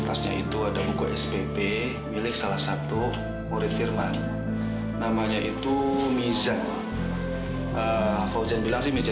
tasnya itu ada buku spp milik salah satu murid firman namanya itu miza fouzan bilang sih miza